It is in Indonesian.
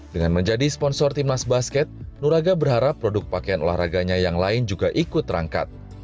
dengan menjadi sponsor timnas basket nuraga berharap produk pakaian olahraganya yang lain juga ikut terangkat